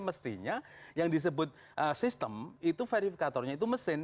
mestinya yang disebut sistem itu verifikatornya itu mesin